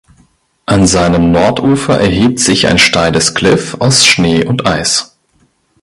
An seinem Nordufer erhebt sich ein steiles Kliff aus Schnee und Eis.